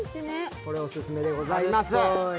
これオススメでございます。